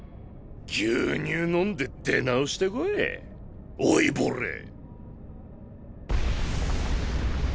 牛乳飲んで出直してこい老いぼれ！